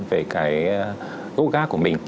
về cái gốc gác của mình